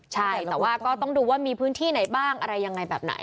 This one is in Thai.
ใช่แต่ว่าก็ต้องดูว่ามีพื้นที่ไหนบ้างอะไรยังไงแบบไหน